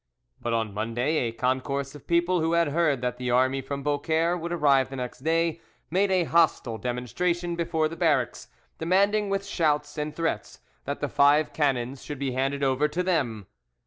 But on Monday a concourse of people, who had heard that the army from Beaucaire would arrive the next day, made a hostile demonstration before the barracks, demanding with shouts and threats that the five cannons should be handed over to them.